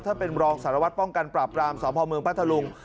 ท่านเป็นรองสารวัตรป้องกันปราบรามสพเมืองพัทธลุง